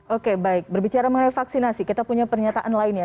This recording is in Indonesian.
oke baik berbicara mengenai vaksinasi kita punya pernyataan lainnya